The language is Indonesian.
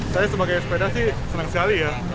saya sebagai sepeda sih senang sekali ya